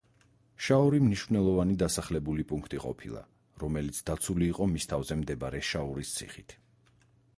შაორი მნიშვნელოვანი დასახლებული პუნქტი ყოფილა, რომელიც დაცული იყო მის თავზე მდებარე შაორის ციხით.